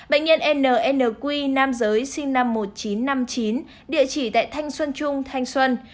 bệnh nhân nq nam giới sinh năm một nghìn chín trăm năm mươi chín địa chỉ tại thanh xuân trung thanh xuân